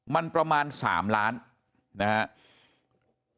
มันประมาณ๓ล้านนะครับ